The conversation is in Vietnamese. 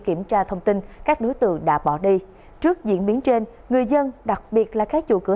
kiểm tra thông tin các đối tượng đã bỏ đi trước diễn biến trên người dân đặc biệt là các chủ cửa